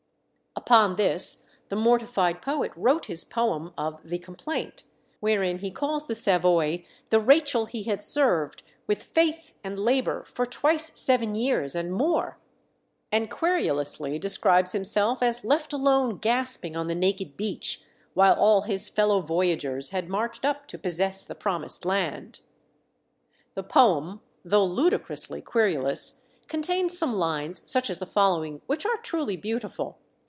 Upon this the mortified poet wrote his poem of "The Complaint," wherein he calls the Savoy the Rachel he had served with "faith and labour for twice seven years and more," and querulously describes himself as left alone gasping on the naked beach, while all his fellow voyagers had marched up to possess the promised land. The poem, though ludicrously querulous, contains some lines, such as the following, which are truly beautiful.